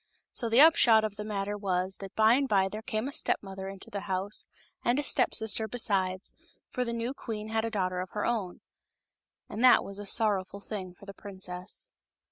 So the upshot of the matter was that by and by there came a step mother into the house, and a step sister besides, for the new queen had a daughter of her own. And that was a son rowful thing for the princess.